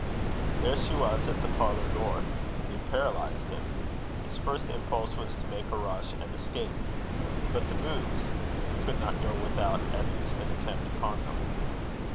There she was at the parlour door. It paralyzed him. His first impulse was to make a rush and escape. But the boots he could not go without at least an attempt upon them.